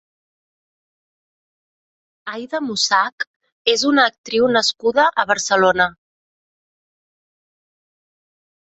Aida Mussach és una actriu nascuda a Barcelona.